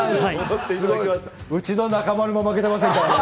うちの中丸も負けてませんからね。